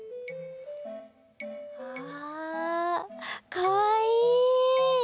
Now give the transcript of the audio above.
あかわいい！